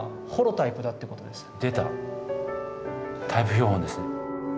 タイプ標本ですね。